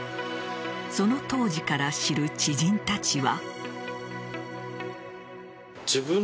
その当時から知る知人たちは。